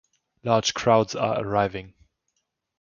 Large crowds are arriving.